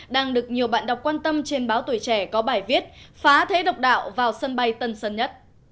đang được nhiều bạn đọc quan tâm trên báo tuổi trẻ có bài viết phá thế độc đạo vào sân bay tân sơn nhất